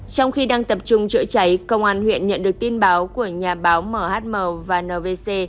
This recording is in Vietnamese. trong khi đang tập trung chữa cháy công an huyện nhận được tin báo của nhà báo mhm và nvc